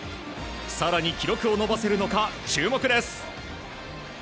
更に記録を伸ばせるのか注目です。